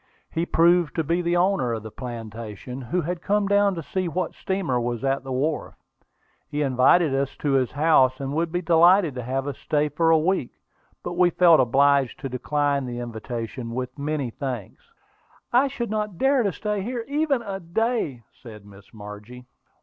He proved to be the owner of the plantation, who had come down to see what steamer was at the wharf. He invited us to his house, and would be delighted to have us stay a week; but we felt obliged to decline the invitation with many thanks. "I should not dare to stay here even a day," said Miss Margie.